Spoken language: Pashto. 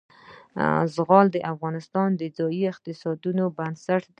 زغال د افغانستان د ځایي اقتصادونو بنسټ دی.